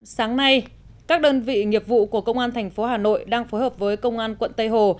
sáng nay các đơn vị nghiệp vụ của công an thành phố hà nội đang phối hợp với công an quận tây hồ